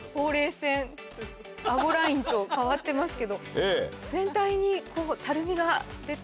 線顎ラインと変わってますけど全体にこうたるみが出て。